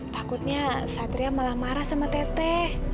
takutnya satria malah marah sama teteh